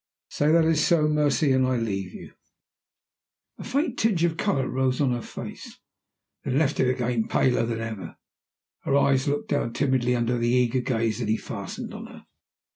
Say that it is so, Mercy, and I leave you." A faint tinge of color rose on her face then left it again paler than ever. Her eyes looked downward timidly under the eager gaze that he fastened on her.